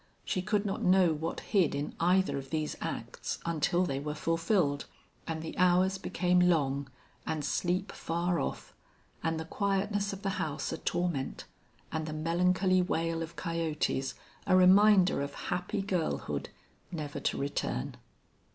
She could not know what hid in either of these acts until they were fulfilled. And the hours became long, and sleep far off, and the quietness of the house a torment, and the melancholy wail of coyotes a reminder of happy girlhood, never to return.